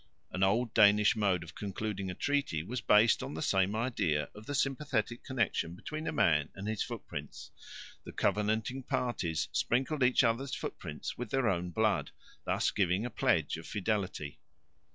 An old Danish mode of concluding a treaty was based on the same idea of the sympathetic connexion between a man and his footprints: the covenanting parties sprinkled each other's footprints with their own blood, thus giving a pledge of fidelity.